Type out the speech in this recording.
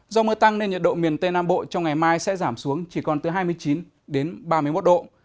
do mưa tăng nên nhiệt độ miền tây nam bộ trong ngày mai sẽ giảm xuống chỉ còn từ hai mươi chín đến ba mươi một độ